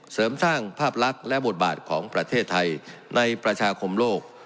เสริมสร้างภาพลักษณ์และบทบาทของประเทศไทยในประชาคมโลก